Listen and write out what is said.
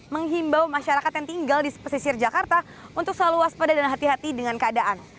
menghimbau masyarakat yang tinggal di pesisir jakarta untuk selalu waspada dan hati hati dengan keadaan